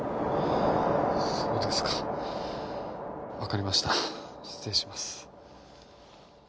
そうですか分かりました失礼します